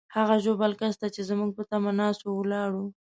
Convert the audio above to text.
هغه ژوبل کس ته چې زموږ په تمه ناست وو، ولاړو.